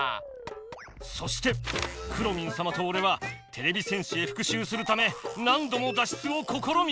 そしてくろミンさまとおれはてれび戦士へふくしゅうするため何どもだっ出をこころみた！